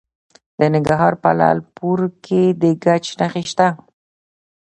د ننګرهار په لعل پورې کې د ګچ نښې شته.